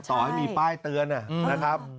ต่อให้มีป้ายเตือนนะครับ